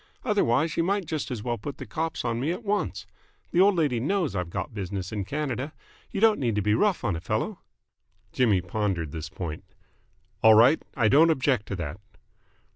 Otherwise you might just as well put the cops on me at once. The old lady knows I've got business in Canada. You don't need to be rough on a fellow." Jimmy pondered this point. "All right. I don't object to that."